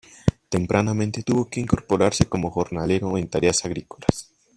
Tempranamente tuvo que incorporarse como jornalero en tareas agrícolas.